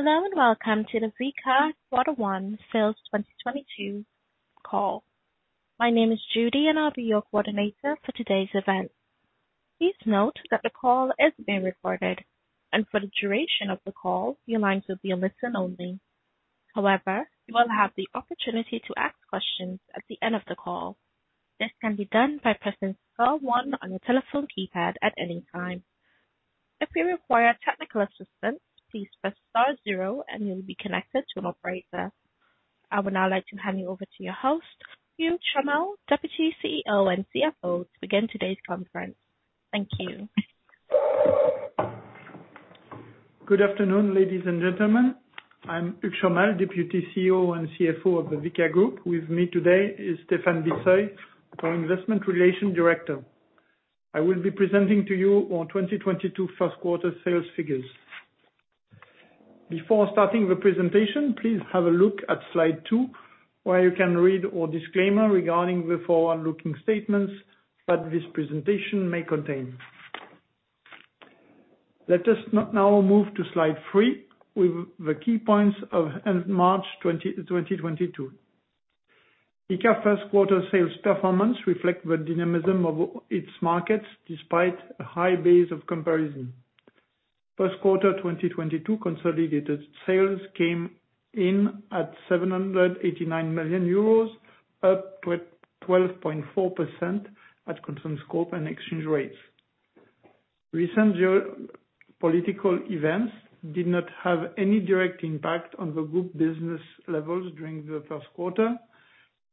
Hello and welcome to the Vicat Q1 Sales 2022 call. My name is Judy, and I'll be your coordinator for today's event. Please note that the call is being recorded, and for the duration of the call, your lines will be on listen-only. However, you will have the opportunity to ask questions at the end of the call. This can be done by pressing star one on your telephone keypad at any time. If you require technical assistance, please press star zero and you'll be connected to an operator. I would now like to hand you over to your host, Hugues Chomel, Deputy CEO and CFO, to begin today's conference. Thank you. Good afternoon, ladies and gentlemen. I'm Hugues Chomel, Deputy CEO and CFO of the Vicat Group. With me today is Stéphane Bisseuil, our Investment Relations Director. I will be presenting to you our 2022 Q1 sales figures. Before starting the presentation, please have a look at Slide two, where you can read our disclaimer regarding the forward-looking statements that this presentation may contain. Let us now move to Slide three with the key points as of March 20, 2022. Vicat Q1 sales performance reflect the dynamism of its markets despite a high base of comparison. Q1 2022 consolidated sales came in at 789 million euros, up 12.4% at constant scope and exchange rates. Recent geopolitical events did not have any direct impact on the group business levels during the Q1,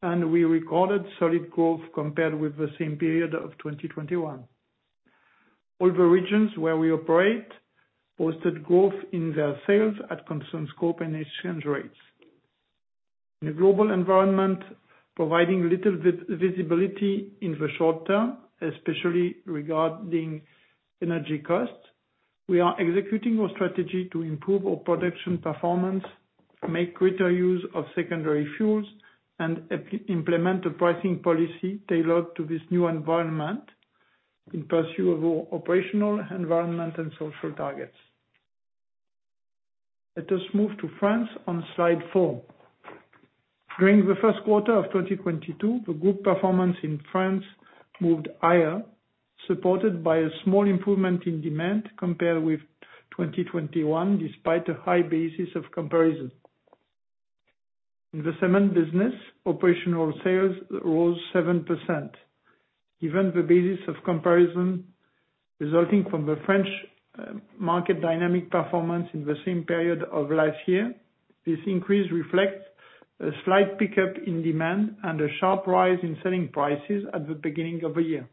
and we recorded solid growth compared with the same period of 2021. All the regions where we operate posted growth in their sales at constant scope and exchange rates. In a global environment providing little visibility in the short term, especially regarding energy costs, we are executing our strategy to improve our production performance, make greater use of secondary fuels, and implement a pricing policy tailored to this new environment in pursuit of our operational, environment, and social targets. Let us move to France on Slide four. During the Q1 of 2022, the group performance in France moved higher, supported by a small improvement in demand compared with 2021, despite a high basis of comparison. In the cement business, operational sales rose 7%. Given the basis of comparison resulting from the French market dynamic performance in the same period of last year, this increase reflects a slight pickup in demand and a sharp rise in selling prices at the beginning of the year.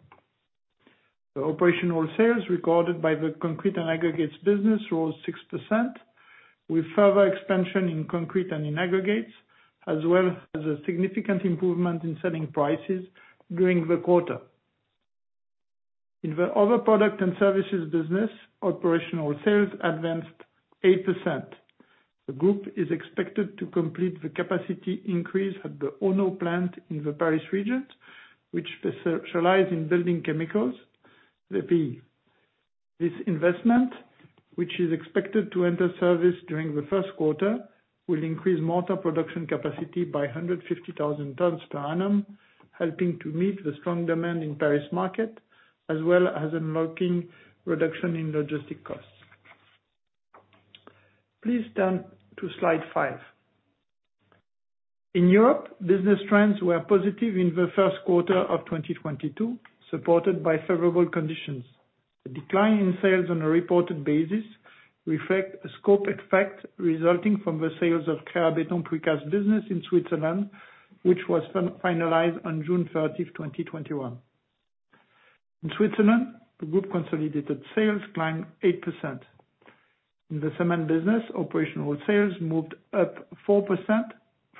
The operational sales recorded by the concrete and aggregates business rose 6%, with further expansion in concrete and in aggregates, as well as a significant improvement in selling prices during the quarter. In the other product and services business, operational sales advanced 8%. The group is expected to complete the capacity increase at the Onno plant in the Paris region, which specialize in building chemicals. This investment, which is expected to enter service during the Q1, will increase mortar production capacity by 150,000 tons per annum, helping to meet the strong demand in Paris market, as well as unlocking reduction in logistic costs. Please turn to Slide fix. In Europe, business trends were positive in the Q1 of 2022, supported by favorable conditions. The decline in sales on a reported basis reflect a scope effect resulting from the sales of Creabeton Precast business in Switzerland, which was finalized on June thirtieth, 2021. In Switzerland, the group consolidated sales climbed 8%. In the cement business, operational sales moved up 4%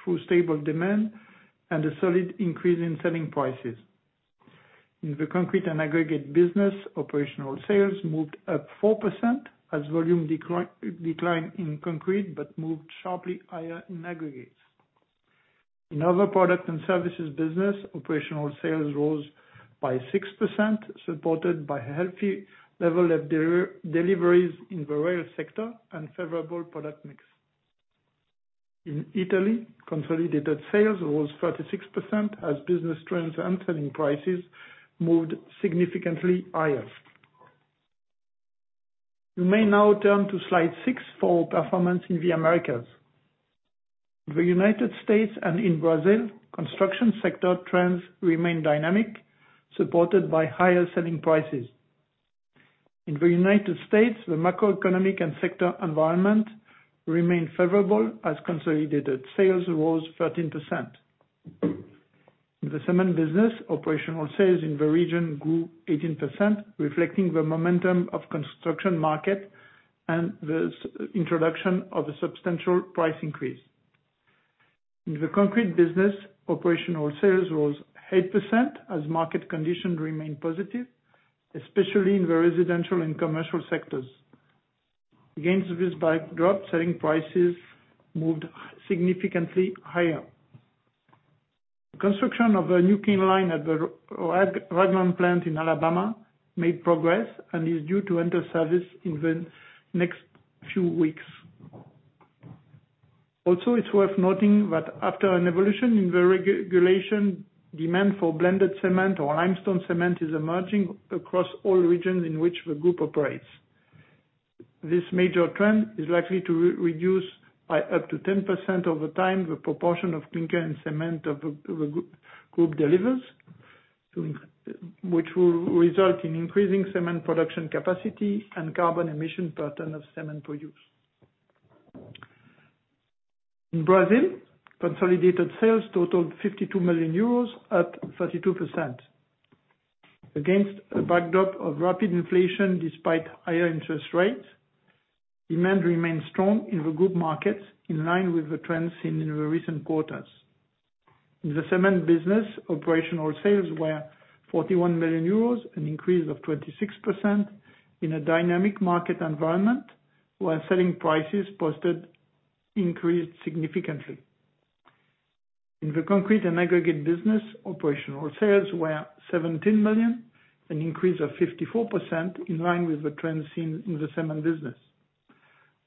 through stable demand and a solid increase in selling prices. In the concrete and aggregate business, operational sales moved up 4% as volume declined in concrete but moved sharply higher in aggregates. In other product and services business, operational sales rose by 6%, supported by healthy level of deliveries in the rail sector and favorable product mix. In Italy, consolidated sales rose 36% as business trends and selling prices moved significantly higher. You may now turn to Slide six for performance in the Americas. In the United States and in Brazil, construction sector trends remain dynamic, supported by higher selling prices. In the United States, the macroeconomic and sector environment remained favorable as consolidated sales rose 13%. In the cement business, operational sales in the region grew 18%, reflecting the momentum of construction market and the introduction of a substantial price increase. In the concrete business, operational sales rose 8% as market conditions remained positive, especially in the residential and commercial sectors. Against this backdrop, selling prices moved significantly higher. The construction of a new clean line at the Ragland plant in Alabama made progress and is due to enter service in the next few weeks. It's worth noting that after an evolution in the regulation, demand for blended cement or limestone cement is emerging across all regions in which the group operates. This major trend is likely to reduce by up to 10% the proportion of clinker in the cement the group delivers, which will result in increasing cement production capacity and decreasing carbon emissions per ton of cement produced. In Brazil, consolidated sales totaled 52 million euros at 32%. Against a backdrop of rapid inflation despite higher interest rates, demand remained strong in the group markets, in line with the trends seen in the recent quarters. In the cement business, operational sales were 41 million euros, an increase of 26% in a dynamic market environment, while selling prices increased significantly. In the concrete and aggregate business, operational sales were 17 million, an increase of 54% in line with the trends seen in the cement business.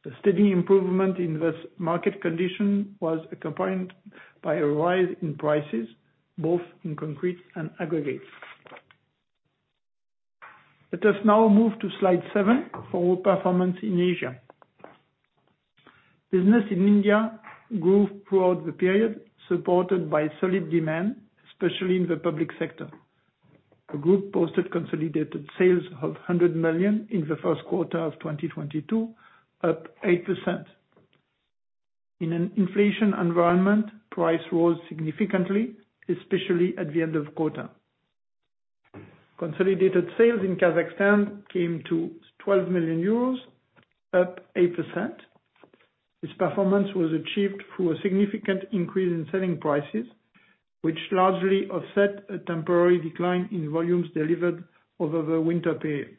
The steady improvement in the market condition was accompanied by a rise in prices, both in concrete and aggregates. Let us now move to Slide seven for our performance in Asia. Business in India grew throughout the period, supported by solid demand, especially in the public sector. The group posted consolidated sales of 100 million in the Q1 of 2022, up 8%. In an inflation environment, price rose significantly, especially at the end of quarter. Consolidated sales in Kazakhstan came to 12 million euros, up 8%. This performance was achieved through a significant increase in selling prices, which largely offset a temporary decline in volumes delivered over the winter period.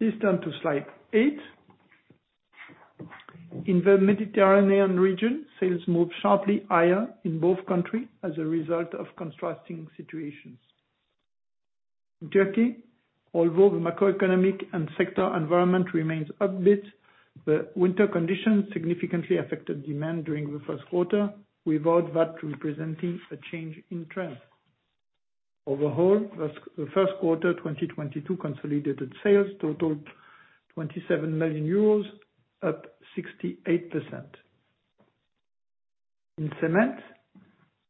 Please turn to Slide eight. In the Mediterranean region, sales moved sharply higher in both countries as a result of contrasting situations. In Turkey, although the macroeconomic and sector environment remains upbeat, the winter conditions significantly affected demand during the Q1, without that representing a change in trend. Overall, the Q1, 2022 consolidated sales totaled 27 million euros, up 68%. In cement,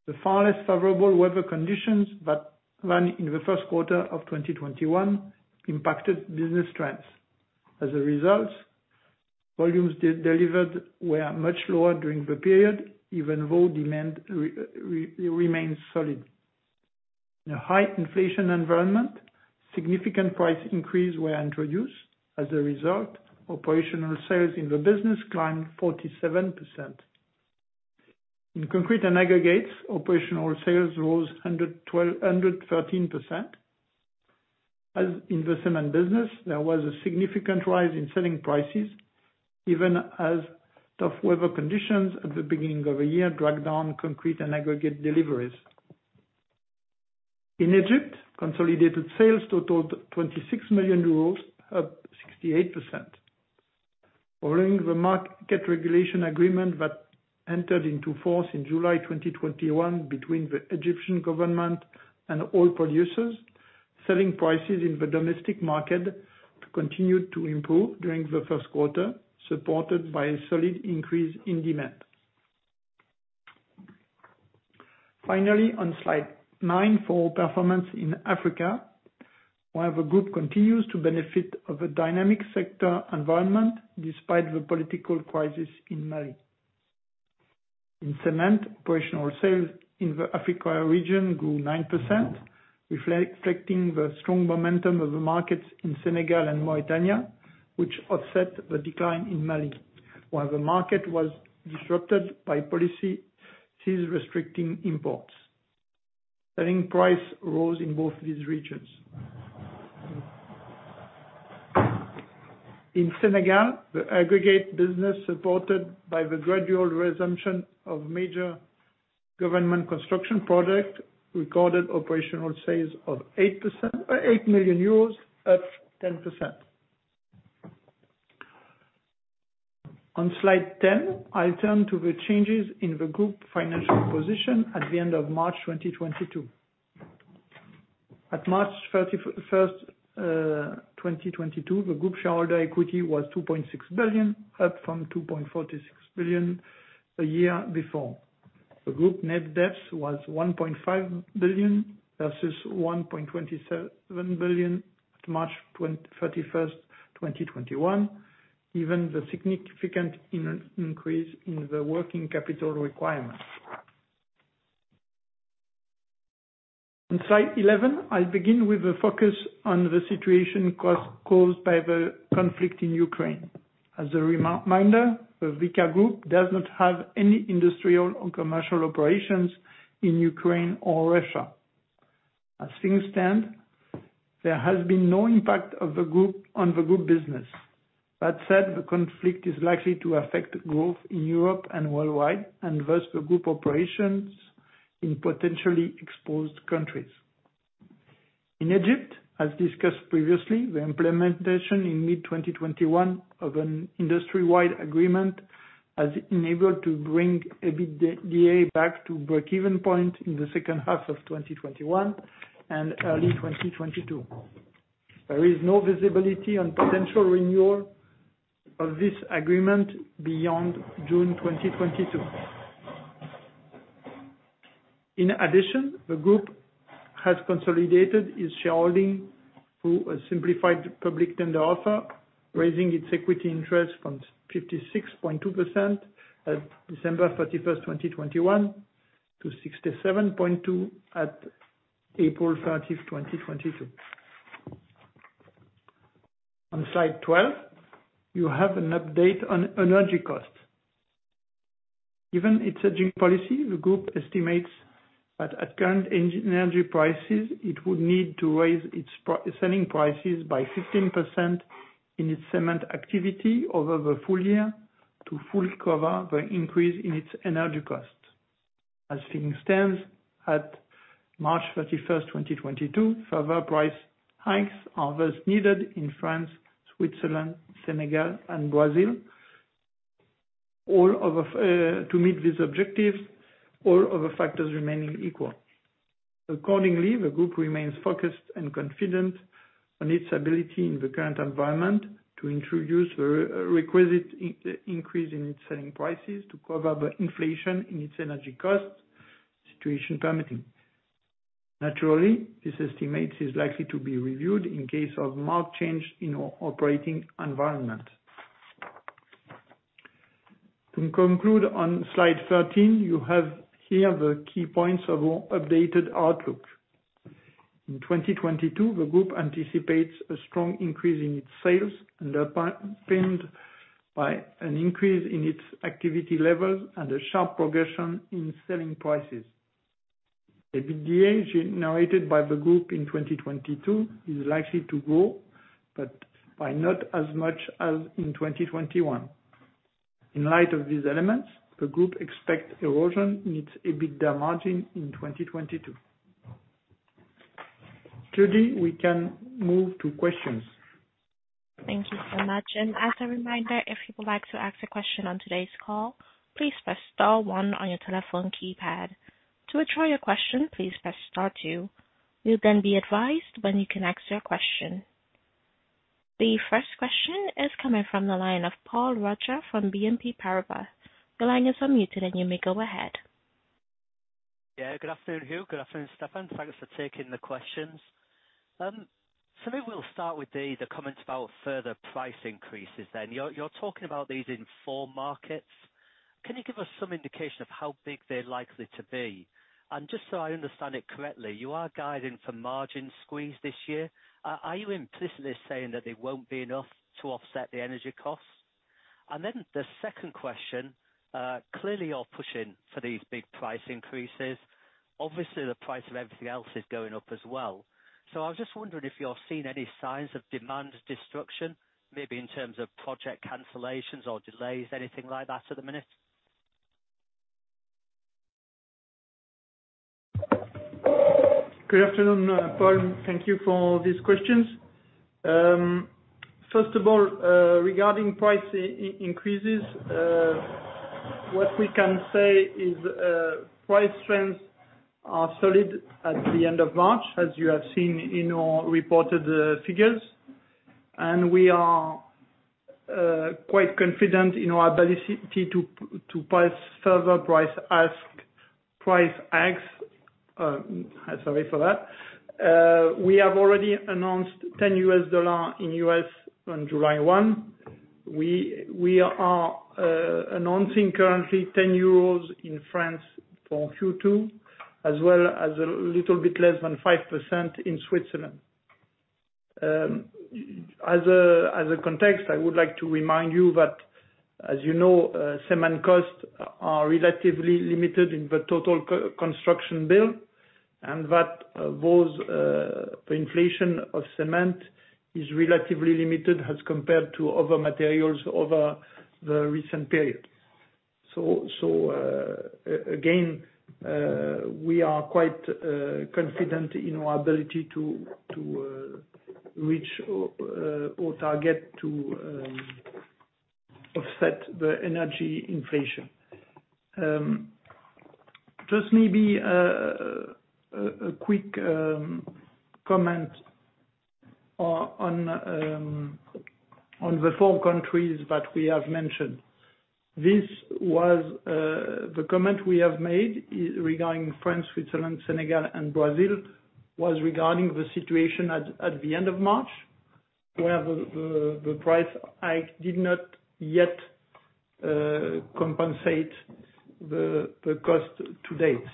the far less favorable weather conditions that ran in the Q1 of 2021 impacted business trends. As a result, volumes delivered were much lower during the period, even though demand remains solid. In a high inflation environment, significant price increase were introduced. As a result, operational sales in the business climbed 47%. In concrete and aggregates, operational sales rose 113%. As in the cement business, there was a significant rise in selling prices, even as tough weather conditions at the beginning of the year dragged down concrete and aggregate deliveries. In Egypt, consolidated sales totaled 26 million euros, up 68%. Following the market regulation agreement that entered into force in July 2021 between the Egyptian government and cement producers, selling prices in the domestic market continue to improve during the Q1, supported by a solid increase in demand. Finally, on Slide nine for performance in Africa, where the group continues to benefit from a dynamic sector environment despite the political crisis in Mali. In cement, operational sales in the Africa region grew 9%, reflecting the strong momentum of the markets in Senegal and Mauritania, which offset the decline in Mali, where the market was disrupted by policies restricting imports. Selling price rose in both these regions. In Senegal, the aggregate business, supported by the gradual resumption of major government construction projects, recorded operational sales of 8% or 8 million euros, up 10%. On Slide 10, I turn to the changes in the group financial position at the end of March 2022. At March 31, 2022, the group shareholder equity was 2.6 billion, up from 2.46 billion the year before. The group net debt was 1.5 billion versus 1.27 billion at March 31, 2021, given the significant increase in the working capital requirements. On Slide 11, I'll begin with a focus on the situation caused by the conflict in Ukraine. As a reminder, the Vicat Group does not have any industrial or commercial operations in Ukraine or Russia. As things stand, there has been no impact of the group on the group business. That said, the conflict is likely to affect growth in Europe and worldwide, and thus the group operations in potentially exposed countries. In Egypt, as discussed previously, the implementation in mid-2021 of an industry-wide agreement has enabled to bring EBITDA back to breakeven point in the second half of 2021 and early 2022. There is no visibility on potential renewal of this agreement beyond June 2022. In addition, the group has consolidated its shareholding through a simplified public tender offer, raising its equity interest from 56.2% at December 31, 2021 to 67.2% at April 30, 2022. On Slide 12, you have an update on energy cost. Given its hedging policy, the group estimates that at current energy prices, it would need to raise its selling prices by 15% in its cement activity over the full year to fully cover the increase in its energy cost. As things stand at March 31, 2022, further price hikes are thus needed in France, Switzerland, Senegal and Brazil to meet these objectives, all other factors remaining equal. Accordingly, the group remains focused and confident on its ability in the current environment to introduce the requisite increase in its selling prices to cover the inflation in its energy costs, situation permitting. Naturally, this estimate is likely to be reviewed in case of marked change in our operating environment. To conclude on Slide 13, you have here the key points of our updated outlook. In 2022, the group anticipates a strong increase in its sales and are propelled by an increase in its activity levels and a sharp progression in selling prices. EBITDA generated by the group in 2022 is likely to grow, but by not as much as in 2021. In light of these elements, the group expects erosion in its EBITDA margin in 2022. Judy, we can move to questions. Thank you so much. As a reminder, if you would like to ask a question on today's call, please press star one on your telephone keypad. To withdraw your question, please press star two. You'll then be advised when you can ask your question. The first question is coming from the line of Paul Roger from BNP Paribas. Your line is unmuted and you may go ahead. Yeah, good afternoon, Hugues. Good afternoon, Stéphane. Thanks for taking the questions. So maybe we'll start with the comments about further price increases then. You're talking about these in four markets. Can you give us some indication of how big they're likely to be? Just so I understand it correctly, you are guiding for margin squeeze this year. Are you implicitly saying that they won't be enough to offset the energy costs? Then the second question, clearly you're pushing for these big price increases. Obviously, the price of everything else is going up as well. I was just wondering if you're seeing any signs of demand destruction, maybe in terms of project cancellations or delays, anything like that at the minute? Good afternoon, Paul. Thank you for these questions. First of all, regarding price increases, what we can say is, price trends are solid at the end of March, as you have seen in our reported figures. We are quite confident in our ability to price further price hikes. Sorry for that. We have already announced $10 in the U.S. on July 1. We are announcing currently 10 euros in France for Q2, as well as a little bit less than 5% in Switzerland. As a context, I would like to remind you that as you know, cement costs are relatively limited in the total cost of construction, and that the inflation of cement is relatively limited as compared to other materials over the recent period. We are quite confident in our ability to reach our target to offset the energy inflation. Just maybe a quick comment on the four countries that we have mentioned. This was the comment we have made regarding France, Switzerland, Senegal and Brazil was regarding the situation at the end of March, where the price hike did not yet compensate the cost to date.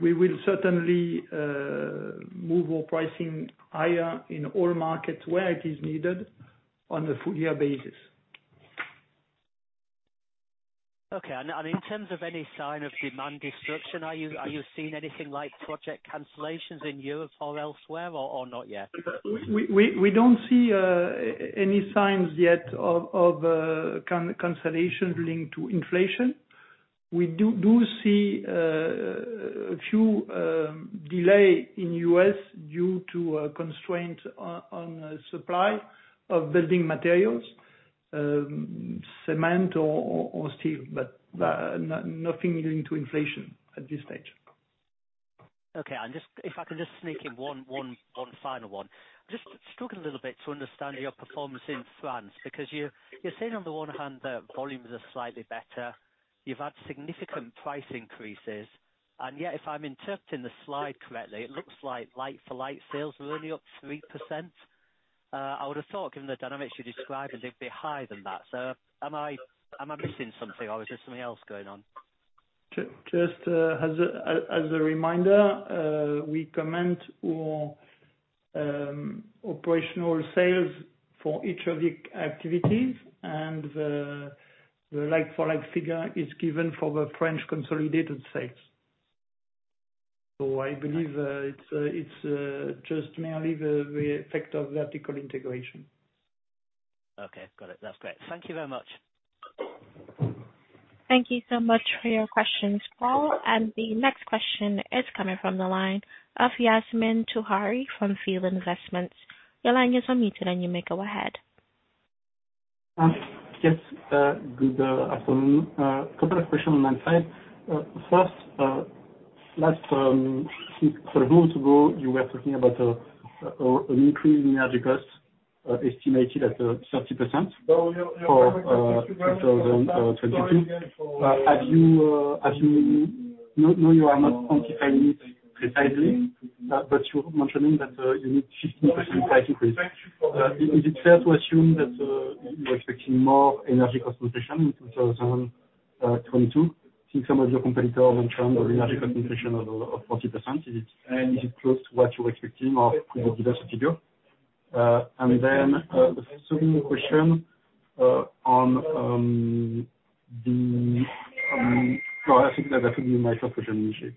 We will certainly move our pricing higher in all markets where it is needed on a full year basis. Okay. In terms of any sign of demand destruction, are you seeing anything like project cancellations in Europe or elsewhere, or not yet? We don't see any signs yet of cancellation linked to inflation. We do see a few delay in U.S. Due to a constraint on supply of building materials, cement or steel. Nothing leading to inflation at this stage. Okay. Just if I can just sneak in one final one. Just struggling a little bit to understand your performance in France, because you're saying on the one hand that volumes are slightly better, you've had significant price increases, and yet if I'm interpreting the slide correctly, it looks like like-for-like sales were only up 3%. I would've thought given the dynamics you described they'd be higher than that. Am I missing something or is there something else going on? Just as a reminder, we comment on operational sales for each of the activities and the like-for-like figure is given for the French consolidated sales. I believe it's just merely the effect of vertical integration. Okay. Got it. That's great. Thank you very much. Thank you so much for your questions, Paul. The next question is coming from the line of Yassine Touahri from On Field Investment Research. Your line is unmuted and you may go ahead. Yes. Good afternoon. Couple of questions on my side. First, last six months ago, you were talking about an increase in energy costs estimated at 30% for 2022. Have you... No, you are not quantifying it precisely, but you are mentioning that you need 15% price increase. Is it fair to assume that you're expecting more energy cost inflation in 2022, since some of your competitors mentioned energy cost inflation of 40%? Is it close to what you're expecting or could you give us a figure? And then, the second question on the... No, I think that will be my first question actually.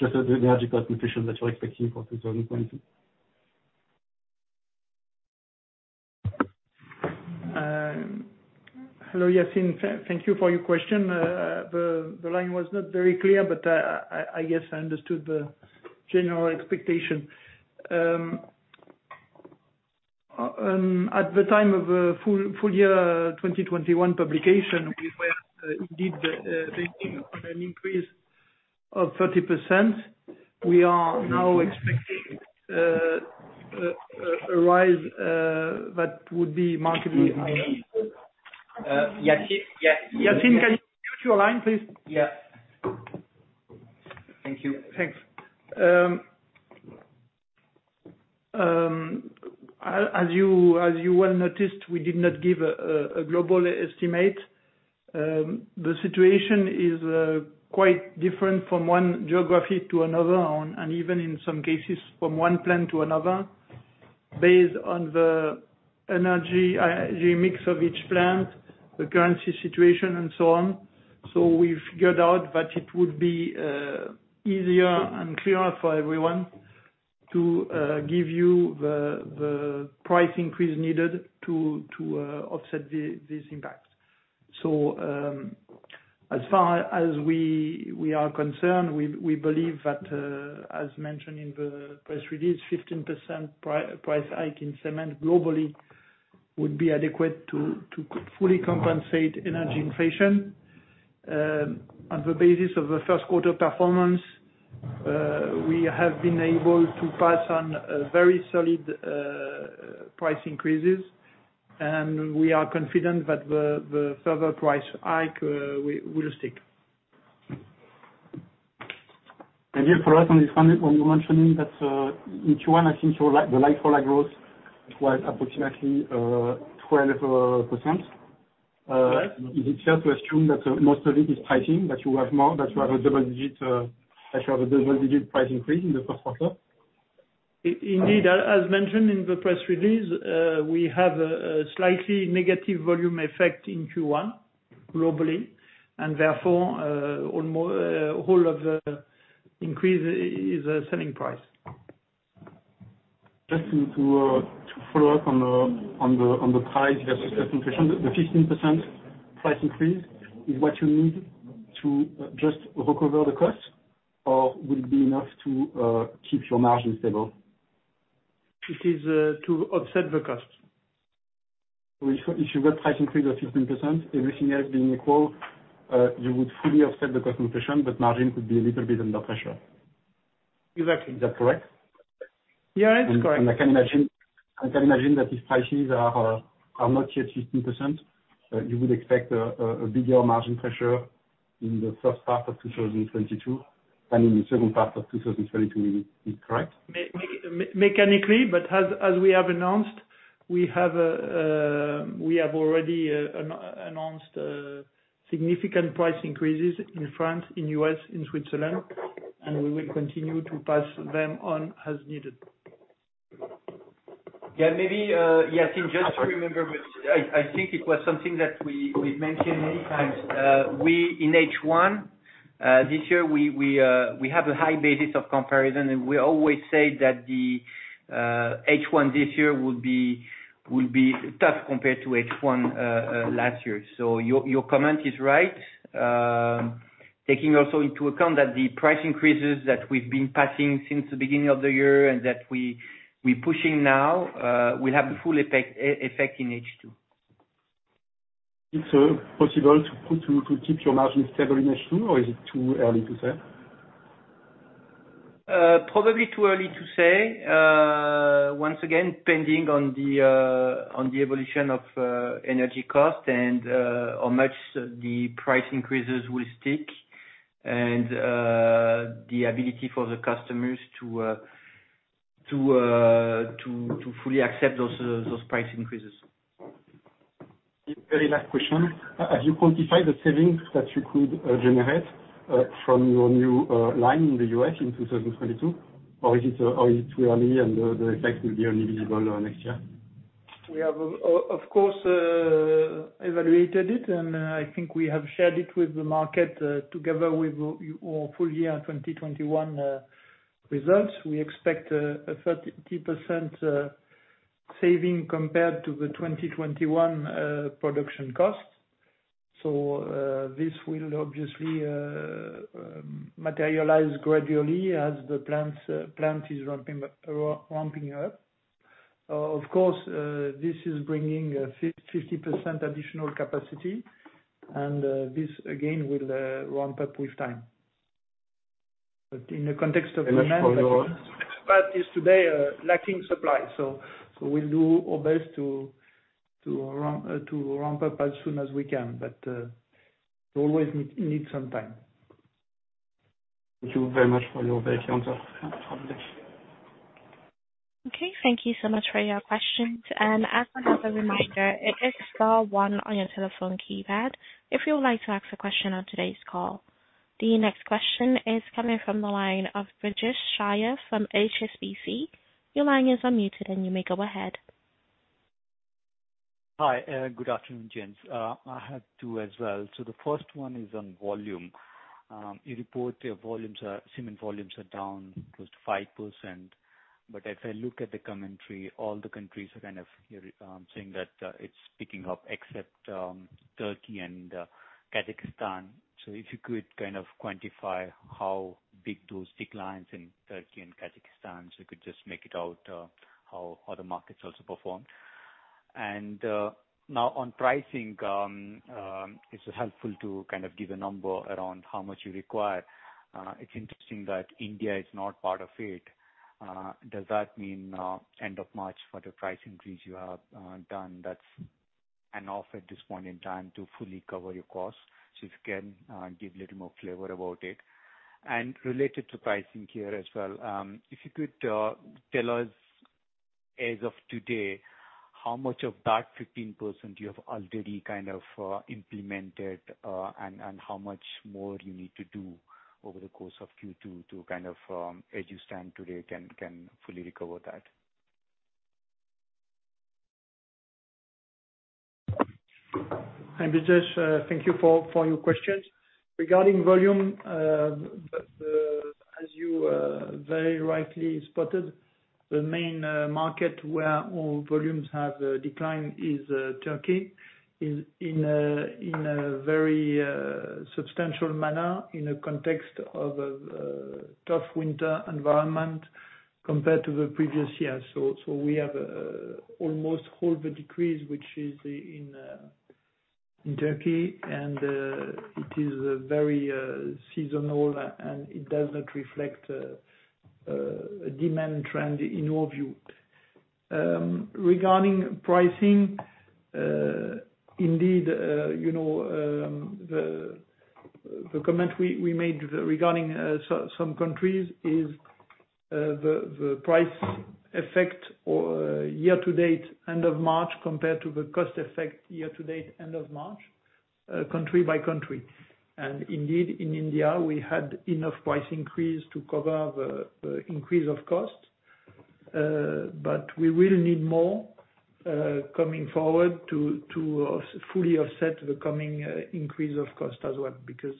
Just the energy cost inflation that you're expecting for 2020. Hello, Yassine. Thank you for your question. The line was not very clear, but I guess I understood the general expectation. At the time of the full year 2021 publication, we were indeed banking on an increase of 30%. We are now expecting a rise that would be markedly higher. Yassine, Yassine, can you mute your line, please? Yeah. Thank you. Thanks. As you well noticed, we did not give a global estimate. The situation is quite different from one geography to another, and even in some cases, from one plant to another, based on the energy mix of each plant, the currency situation, and so on. We figured out that it would be easier and clearer for everyone to give you the price increase needed to offset this impact. As far as we are concerned, we believe that, as mentioned in the press release, 15% price hike in cement globally would be adequate to fully compensate energy inflation. On the basis of the Q1 performance, we have been able to price on a very solid price increases, and we are confident that the further price hike will stick. Just for us to understand, when you're mentioning that, in Q1, I think your like-for-like growth was approximately 12%. Correct. Is it fair to assume that most of it is pricing, that you have a double-digit price increase in the Q1? Indeed. As mentioned in the press release, we have a slightly negative volume effect in Q1 globally, and therefore, all of the increase is selling price. Just to follow up on the price discussion. The 15% price increase is what you need to just recover the cost or will it be enough to keep your margins stable? It is to offset the cost. If you get price increase of 15%, everything else being equal, you would fully offset the cost inflation, but margin could be a little bit under pressure? Exactly. Is that correct? Yeah. It's correct. I can imagine that if prices are not yet 15%, you would expect a bigger margin pressure in the first half of 2022 than in the second half of 2022, is correct? Mechanically, as we have announced, we have already announced significant price increases in France, in U.S., in Switzerland, and we will continue to pass them on as needed. Yeah, maybe, yeah, I think just to remember, but I think it was something that we've mentioned many times. We in H1 this year have a high basis of comparison, and we always say that the H1 this year will be tough compared to H1 last year. Your comment is right. Taking also into account that the price increases that we've been passing since the beginning of the year and that we pushing now will have the full effect in H2. It's possible to keep your margin stable in H2, or is it too early to say? Probably too early to say. Once again, depending on the evolution of energy cost and how much the price increases will stick, and the ability for the customers to fully accept those price increases. Very last question. Have you quantified the savings that you could generate from your new line in the U.S. in 2022, or is it too early and the effect will be only visible next year? We have of course evaluated it, and I think we have shared it with the market, together with our full year in 2021 results. We expect a 30% saving compared to the 2021 production cost. This will obviously materialize gradually as the plant is ramping up. Of course, this is bringing 50% additional capacity and this again will ramp up with time. In the context of demand but is today lacking supply. We'll do our best to ramp up as soon as we can. Always need some time. Thank you very much for your brief answer. No problem. Okay, thank you so much for your questions. As another reminder, it is star one on your telephone keypad if you would like to ask a question on today's call. The next question is coming from the line of Brijesh Siya from HSBC. Your line is unmuted, and you may go ahead. Hi, good afternoon, James. I have two as well. The first one is on volume. You report cement volumes are down close to 5%. As I look at the commentary, all the countries are kind of saying that it's picking up except Turkey and Kazakhstan. If you could kind of quantify how big those declines in Turkey and Kazakhstan, so you could just make it out how other markets also performed. Now on pricing, it's helpful to kind of give a number around how much you require. It's interesting that India is not part of it. Does that mean end of March for the price increase you have done that's enough at this point in time to fully cover your costs? If you can, give a little more flavor about it. Related to pricing here as well, if you could, tell us as of today, how much of that 15% you have already kind of implemented, and how much more you need to do over the course of Q2 to kind of, as you stand today, can fully recover that. Hi, Brijesh. Thank you for your questions. Regarding volume, the, as you very rightly spotted, the main market where our volumes have declined is Turkey. It is in a very substantial manner in a context of tough winter environment compared to the previous year. So we have almost all the decrease, which is in Turkey and it is very seasonal and it does not reflect a demand trend in our view. Regarding pricing, indeed, you know, the comment we made regarding some countries is the price effect or year to date end of March, compared to the cost effect year to date end of March, country by country. Indeed, in India, we had enough price increase to cover the increase of cost. We will need more coming forward to fully offset the coming increase of cost as well, because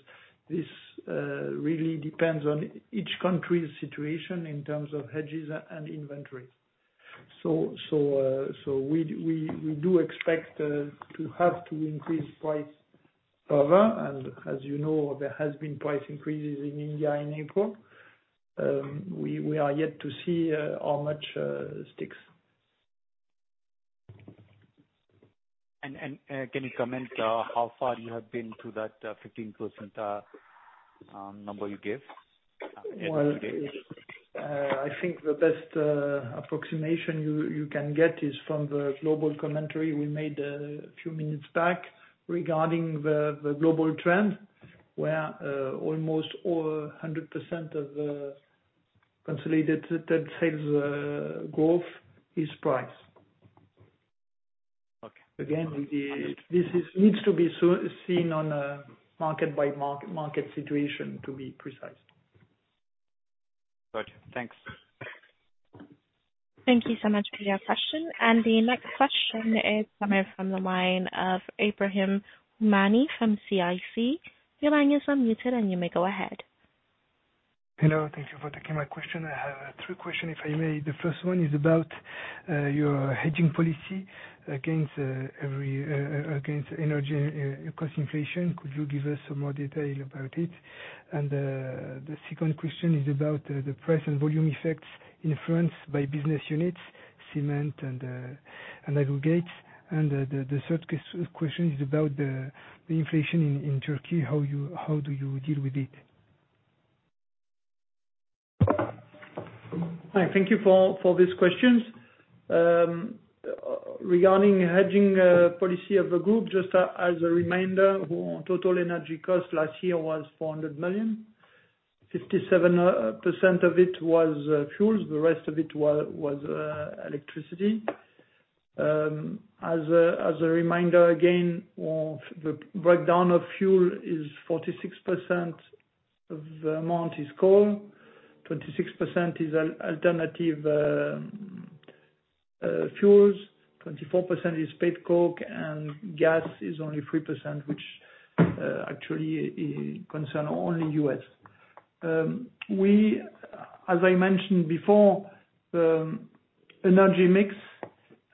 this really depends on each country's situation in terms of hedges and inventory. We do expect to have to increase price further. As you know, there has been price increases in India in April. We are yet to see how much sticks. Can you comment how far you have been to that 15% number you gave at the beginning? Well, I think the best approximation you can get is from the global commentary we made a few minutes back regarding the global trend, where almost 100% of consolidated sales growth is price. Again, this needs to be seen on a market-by-market situation to be precise. Gotcha. Thanks. Thank you so much for your question. The next question is coming from the line of Jean-Christophe Gacel from CIC. Your line is unmuted and you may go ahead. Hello. Thank you for taking my question. I have three question, if I may. The first one is about your hedging policy against energy cost inflation. Could you give us some more detail about it? The second question is about the price and volume effects influenced by business units, cement and aggregates. The third question is about the inflation in Turkey. How do you deal with it? Hi, thank you for these questions. Regarding hedging policy of the group, just as a reminder, our total energy cost last year was 400 million. 57% of it was fuels, the rest of it was electricity. As a reminder again, the breakdown of fuel is 46% of the amount is coal, 26% is alternative fuels, 24% is petcoke, and gas is only 3%, which actually concerns only the U.S. As I mentioned before, the energy mix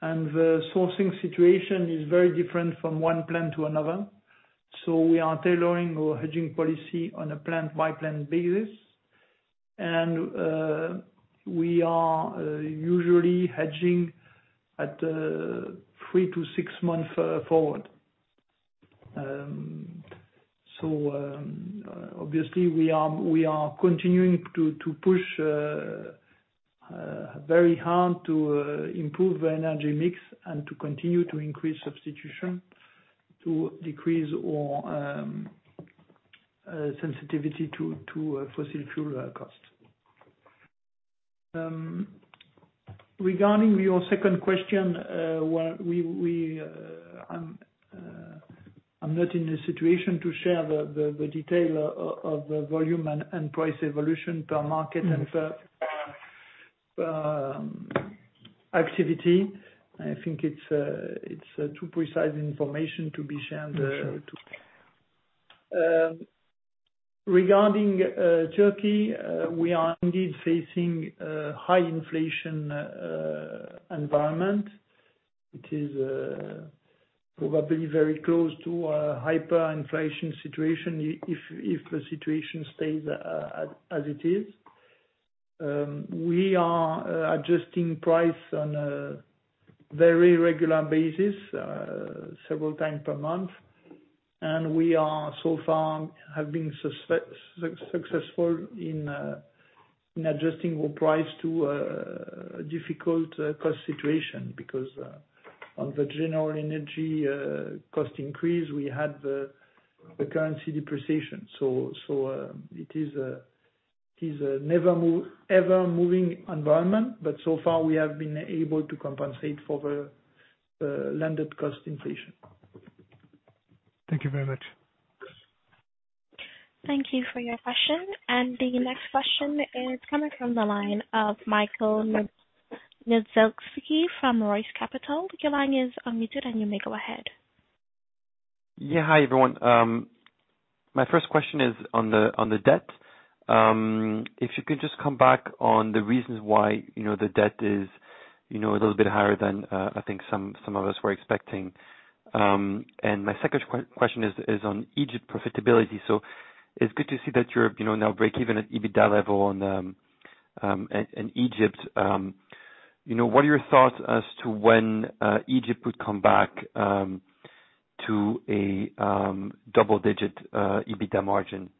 and the sourcing situation is very different from one plant to another. We are tailoring our hedging policy on a plant by plant basis. We are usually hedging at 3- to 6-month forward. Obviously we are continuing to push very hard to improve the energy mix and to continue to increase substitution to decrease our sensitivity to fossil fuel costs. Regarding your second question, well, I'm not in a situation to share the detail of the volume and price evolution per market and per activity. I think it's too precise information to be shared. For sure. Regarding Turkey, we are indeed facing a high inflation environment. It is probably very close to a hyperinflation situation if the situation stays as it is. We are adjusting price on a very regular basis, several times per month. We so far have been successful in adjusting our price to a difficult cost situation. Because on the general energy cost increase, we had the currency depreciation. It is an ever-moving environment, but so far we have been able to compensate for the landed cost inflation. Thank you very much. Thank you for your question. The next question is coming from the line of Michael Niedzielski from ROCE Capital. Your line is unmuted and you may go ahead. Yeah. Hi, everyone. My first question is on the debt. If you could just come back on the reasons why, you know, the debt is, you know, a little bit higher than I think some of us were expecting. My second question is on Egypt profitability. It's good to see that you're, you know, now breakeven at EBITDA level in Egypt. You know, what are your thoughts as to when Egypt would come back to a double-digit EBITDA margin,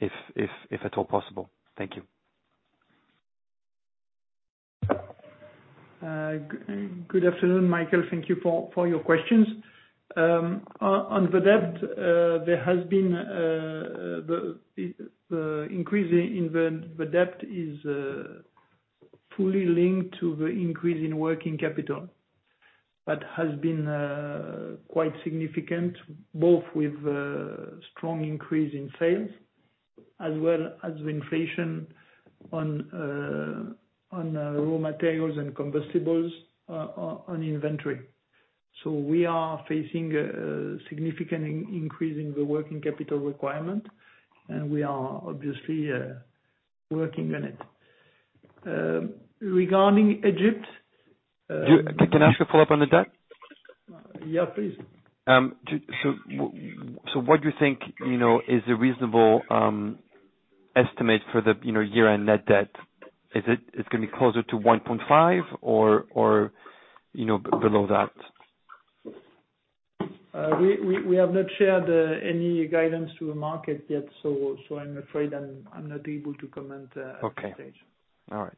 if at all possible? Thank you. Good afternoon, Michael. Thank you for your questions. On the debt, the increase in the debt is fully linked to the increase in working capital. The increase has been quite significant both with strong increase in sales as well as the inflation on raw materials and combustibles on inventory. We are facing a significant increase in the working capital requirement, and we are obviously working on it. Regarding Egypt, Can I ask a follow-up on the debt? Yeah, please. What do you think, you know, is a reasonable estimate for the, you know, year-end net debt? Is it gonna be closer to 1.5 or, you know, below that? We have not shared any guidance to the market yet, so I'm afraid I'm not able to comment at this stage. Okay. All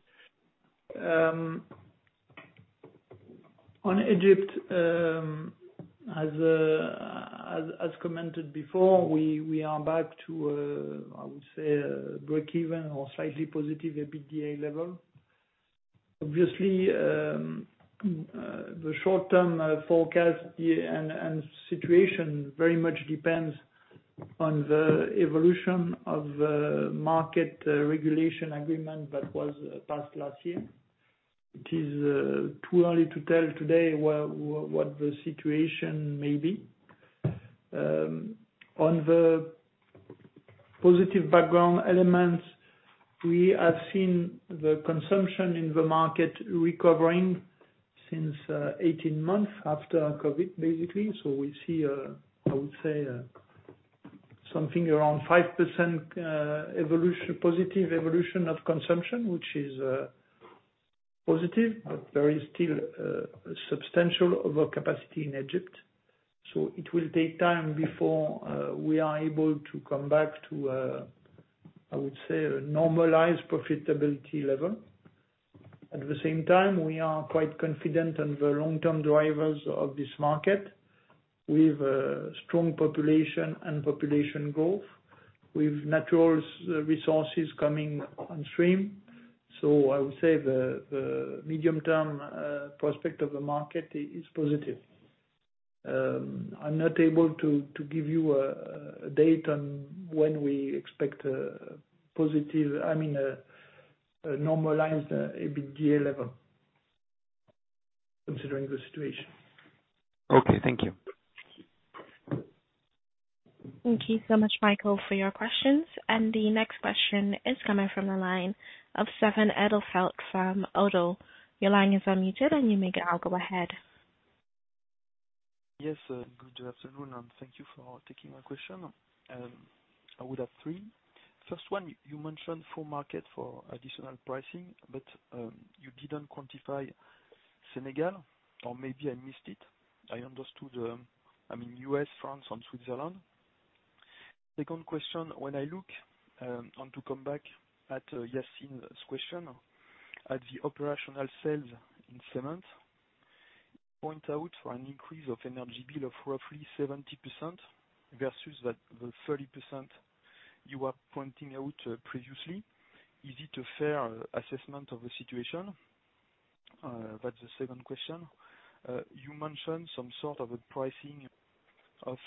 right. On Egypt, as commented before, we are back to, I would say, a breakeven or slightly positive EBITDA level. Obviously, the short-term forecast and situation very much depends on the evolution of market regulation agreement that was passed last year. It is too early to tell today what the situation may be. On the positive background elements, we have seen the consumption in the market recovering since 18 months after COVID, basically. We see, I would say, something around 5% evolution, positive evolution of consumption, which is positive, but there is still substantial overcapacity in Egypt, so it will take time before we are able to come back to, I would say, a normalized profitability level. At the same time, we are quite confident in the long-term drivers of this market. We've strong population and population growth with naturals resources coming on stream. I would say the medium-term prospect of the market is positive. I'm not able to give you a date on when we expect a positive. I mean, a normalized EBITDA level considering the situation. Okay, thank you. Thank you so much, Michael, for your questions. The next question is coming from the line of Sven Edelfelt from Oddo. Your line is unmuted, and you may now go ahead. Yes, good afternoon, and thank you for taking my question. I would have three. First one, you mentioned four markets for additional pricing, but you didn't quantify Senegal, or maybe I missed it. I understood, I mean, U.S., France, and Switzerland. Second question, when I look to come back to Yassine's question, at the operational sales in cement, pointing to an increase of energy bill of roughly 70% versus the 30% you were pointing out previously. Is it a fair assessment of the situation? That's the second question. You mentioned some sort of a pricing of,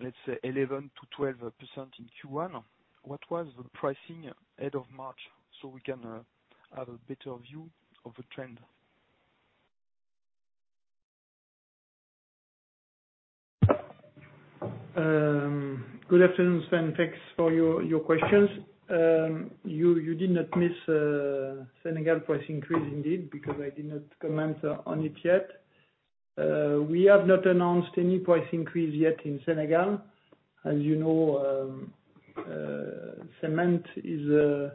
let's say 11%-12% in Q1. What was the pricing end of March, so we can have a better view of the trend? Good afternoon, Sven. Thanks for your questions. You did not miss Senegal price increase indeed, because I did not comment on it yet. We have not announced any price increase yet in Senegal. As you know, cement is a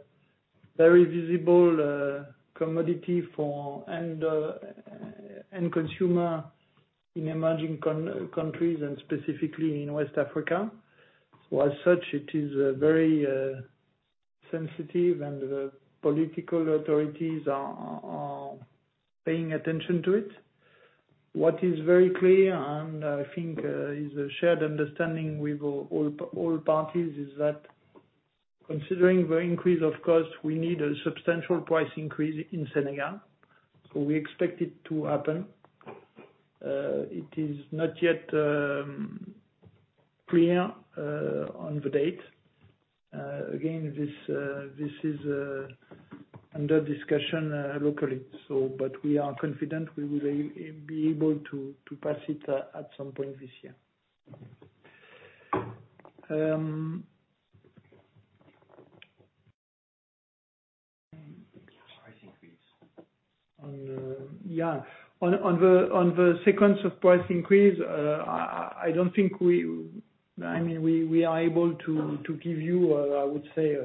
very visible commodity for end consumer in emerging countries and specifically in West Africa. As such, it is very sensitive, and the political authorities are paying attention to it. What is very clear, and I think is a shared understanding with all parties, is that considering the increase of cost, we need a substantial price increase in Senegal, so we expect it to happen. It is not yet clear on the date. Again, this is under discussion locally, but we are confident we will be able to pass it at some point this year. Price increase. On the sequence of price increase, I mean, we are able to give you a, I would say,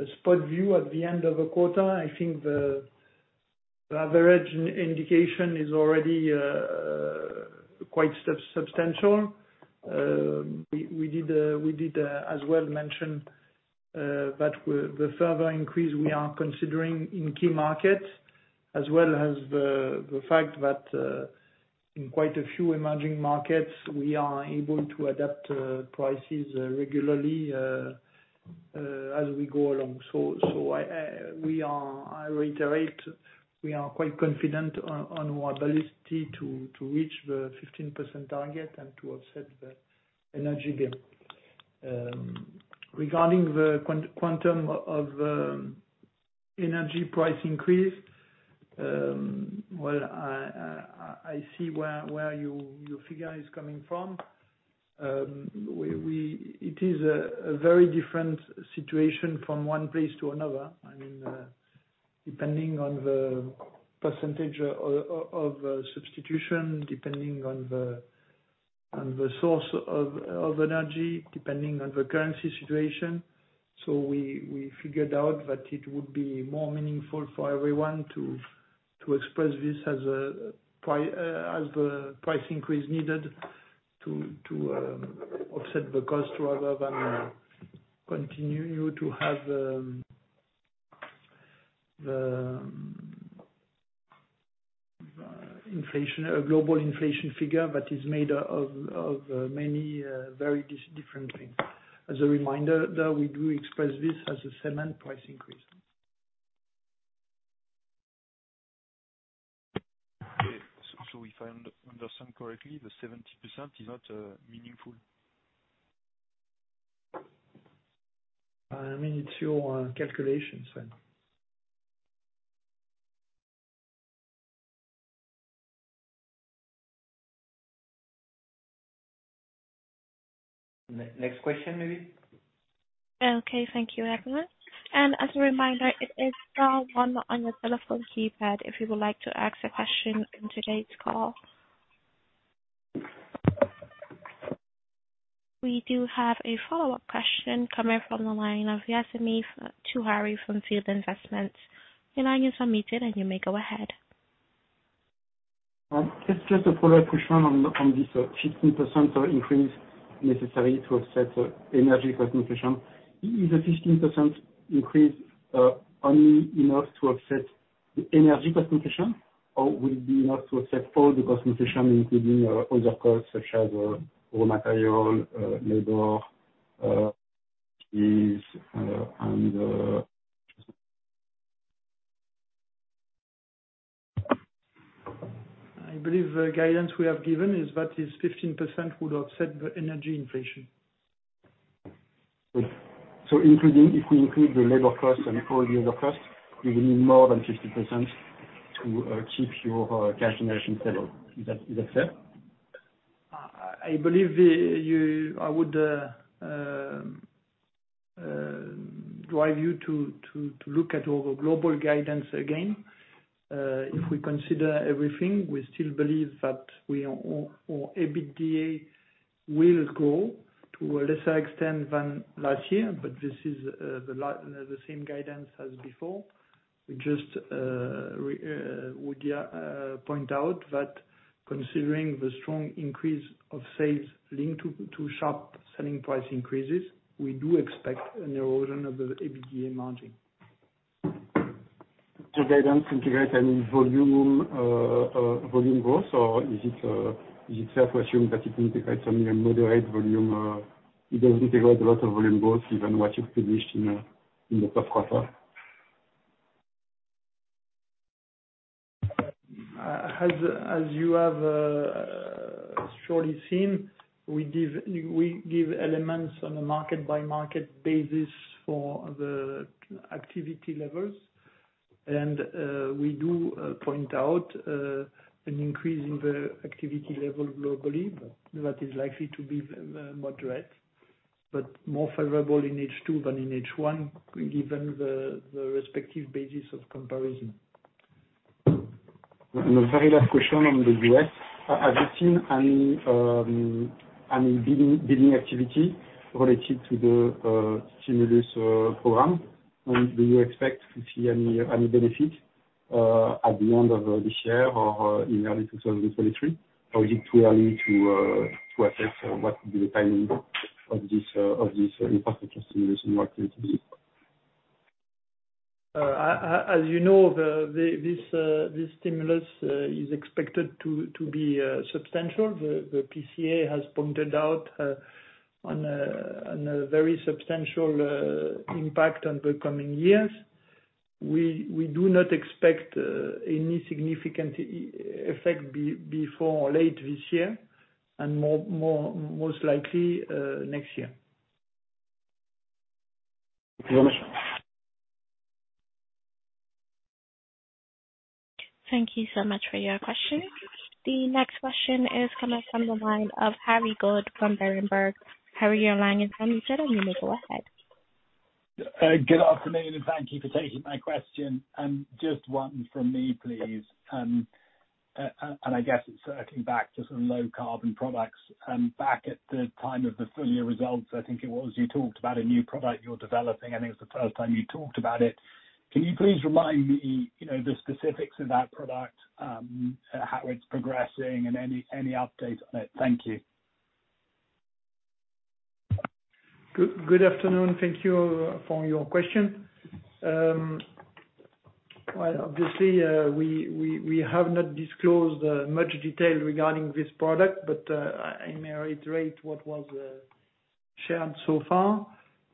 a spot view at the end of the quarter. I think the average indication is already quite substantial. We did as well mention that the further increase we are considering in key markets, as well as the fact that in quite a few emerging markets, we are able to adapt prices regularly as we go along. I reiterate, we are quite confident on our ability to reach the 15% target and to offset the energy bill. Regarding the quantum of energy price increase, well, I see where your figure is coming from. It is a very different situation from one place to another. I mean, depending on the percentage of substitution, depending on the source of energy, depending on the currency situation. We figured out that it would be more meaningful for everyone to express this as the price increase needed to offset the cost rather than continue to have the global inflation figure that is made of many very different things. As a reminder that we do express this as a cement price increase. If I understand correctly, the 70% is not meaningful? I mean, it's your calculations then. Next question maybe. Okay. Thank you, everyone. As a reminder, it is star one on your telephone keypad if you would like to ask a question in today's call. We do have a follow-up question coming from the line of Yassine Touahri from On Field Investment Research. Your line is unmuted, and you may go ahead. It's just a follow-up question on this 15% increase necessary to offset energy cost inflation. Is the 15% increase only enough to offset the energy cost inflation? Or will it be enough to offset all the cost inflation including other costs such as raw material, labor, taxes, and. I believe the guidance we have given is that this 15% would offset the energy inflation. If we include the labor cost and all the other costs, we will need more than 50% to keep your cash generation stable. Is that fair? I believe you. I would drive you to look at our global guidance again. If we consider everything, we still believe that EBITDA will grow to a lesser extent than last year, but this is the same guidance as before. We just point out that considering the strong increase of sales linked to sharp selling price increases, we do expect an erosion of the EBITDA margin. The guidance integrate any volume growth? Or is it fair to assume that it integrates only a moderate volume, it doesn't integrate a lot of volume growth even what you've published in the Q1? As you have surely seen, we give elements on a market-by-market basis for the activity levels. We do point out an increase in the activity level globally, but that is likely to be moderate, but more favorable in H2 than in H1, given the respective basis of comparison. The very last question on the US. Have you seen any building activity related to the stimulus program? Do you expect to see any benefit at the end of this year or in early 2023? Or is it too early to assess what will be the timing of this infrastructure stimulus and what it will be? As you know, this stimulus is expected to be substantial. The PCA has pointed out on a very substantial impact on the coming years. We do not expect any significant effect before late this year and more most likely next year. Thank you very much. Thank you so much for your question. The next question is coming from the line of Harry Goad from Berenberg. Harry, your line is unmuted, and you may go ahead. Good afternoon, and thank you for taking my question. Just one from me, please. I guess it's circling back to some low carbon products. Back at the time of the full year results, I think it was you talked about a new product you're developing. I think it's the first time you talked about it. Can you please remind me, you know, the specifics of that product, how it's progressing and any updates on it? Thank you. Good afternoon. Thank you for your question. Well, obviously, we have not disclosed much detail regarding this product, but I may reiterate what was shared so far.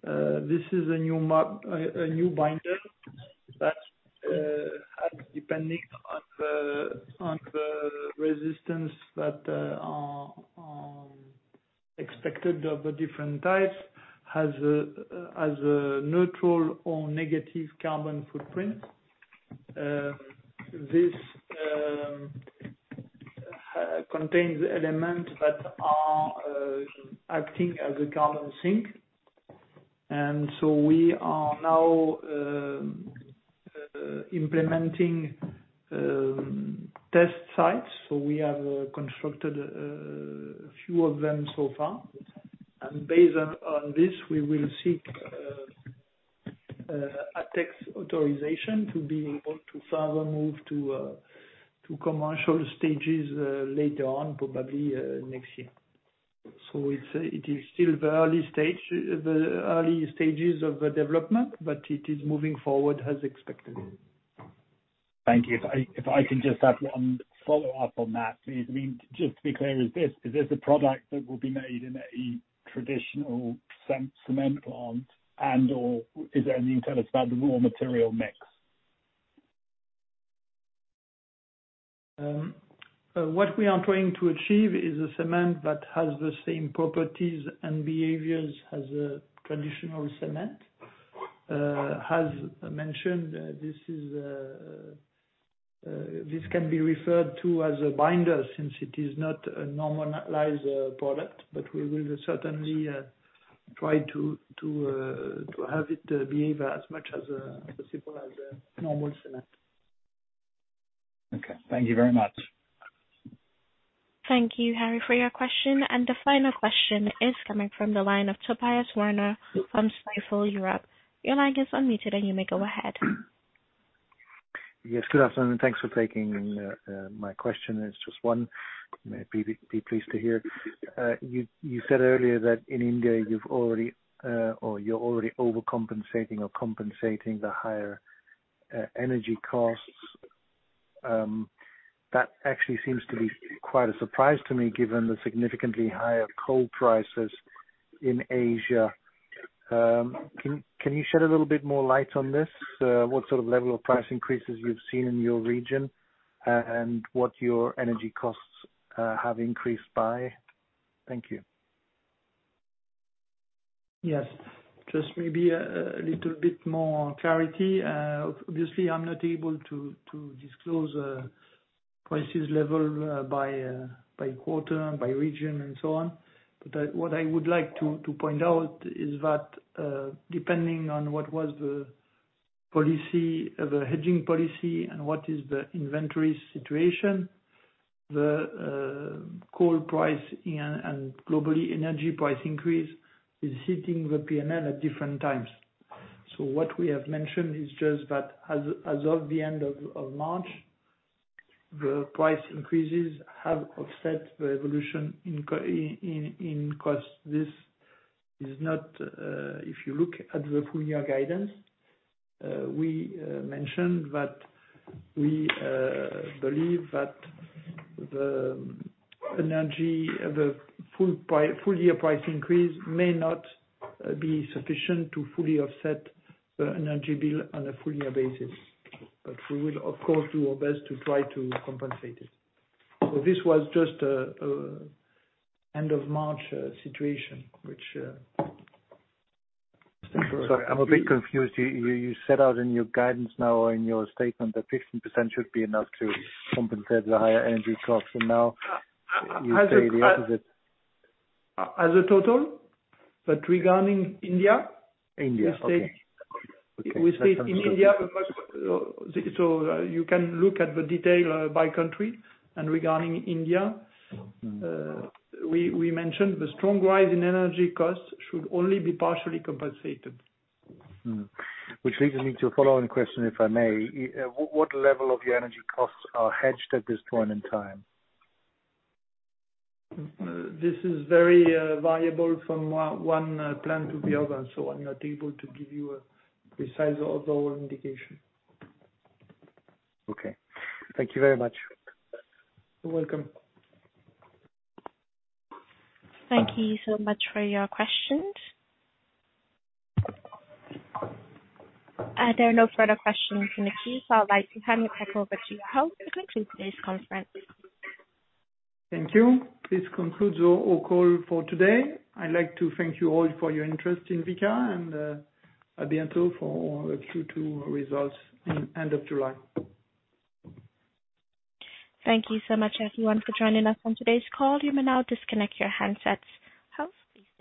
This is a new binder that has, depending on the resistance expected of the different types, a neutral or negative carbon footprint. This contains elements that are acting as a carbon sink. We are now implementing test sites. We have constructed a few of them so far. Based on this, we will seek ATEX authorization to be able to further move to commercial stages later on, probably next year. It is still the early stages of the development, but it is moving forward as expected. Thank you. If I can just add one follow-up on that please. I mean, just to be clear, is this a product that will be made in a traditional cement plant and/or is there anything you can tell us about the raw material mix? What we are trying to achieve is a cement that has the same properties and behaviors as a traditional cement. As mentioned, this can be referred to as a binder since it is not a normalized product, but we will certainly try to have it behave as much as possible as a normal cement. Okay. Thank you very much. Thank you, Harry, for your question. The final question is coming from the line of Tobias Woerner from Stifel Europe. Your line is unmuted and you may go ahead. Yes. Good afternoon, and thanks for taking my question. There's just one. You may be pleased to hear. You said earlier that in India you've already or you're already overcompensating or compensating the higher energy costs. That actually seems to be quite a surprise to me given the significantly higher coal prices in Asia. Can you shed a little bit more light on this, what sort of level of price increases you've seen in your region and what your energy costs have increased by? Thank you. Yes. Just maybe a little bit more clarity. Obviously I'm not able to disclose price levels by quarter, by region and so on. What I would like to point out is that, depending on what was the policy, the hedging policy and what is the inventory situation, the coal price and globally energy price increase is hitting the P&L at different times. What we have mentioned is just that as of the end of March, the price increases have offset the evolution in costs. This is not if you look at the full year guidance, we mentioned that we believe that the energy, the full year price increase may not be sufficient to fully offset the energy bill on a full year basis. We will of course do our best to try to compensate it. This was just an end of March situation, which. Sorry, I'm a bit confused. You set out in your guidance now or in your statement that 15% should be enough to compensate the higher energy costs, so now you say the opposite. As a total, but regarding India. India. Okay. We state in India much better. You can look at the detail by country and regarding India, we mentioned the strong rise in energy costs should only be partially compensated. Which leads me to a follow-on question, if I may. What level of your energy costs are hedged at this point in time? This is very variable from one plant to the other and so on. I'm not able to give you a precise overall indication. Okay. Thank you very much. You're welcome. Thank you so much for your questions. There are no further questions in the queue, so I'd like to hand it back over to you, Hugues Chomel, to conclude today's conference. Thank you. This concludes our call for today. I'd like to thank you all for your interest in Vicat and à bientôt for our Q2 results in end of July. Thank you so much everyone for joining us on today's call. You may now disconnect your handsets. Hugues, please-